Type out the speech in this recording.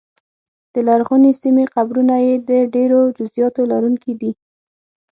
د لرغونې سیمې قبرونه یې د ډېرو جزییاتو لرونکي دي